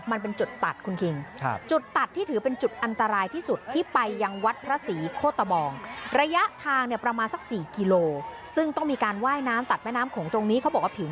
ซัพพอร์ตที่ดีอะไรประมาณนี้